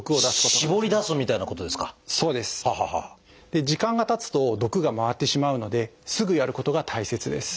で時間がたつと毒が回ってしまうのですぐやることが大切です。